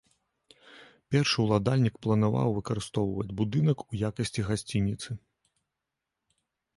Першы ўладальнік планаваў выкарыстоўваць будынак у якасці гасцініцы.